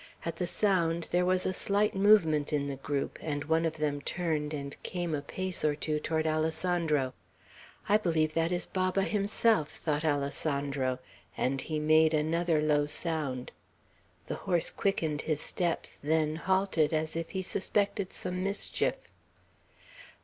At the sound there was a slight movement in the group; and one of them turned and came a pace or two toward Alessandro. "I believe that is Baba himself," thought Alessandro; and he made another low sound. The horse quickened his steps; then halted, as if he suspected some mischief.